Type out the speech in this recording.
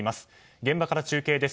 現場から中継です。